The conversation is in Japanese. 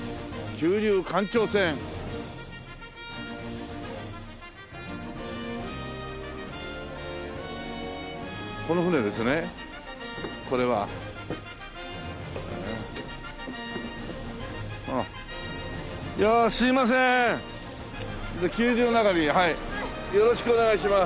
急流の中にはいよろしくお願いします。